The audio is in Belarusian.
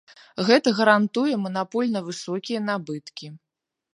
Гэта гарантуе манапольна высокія набыткі.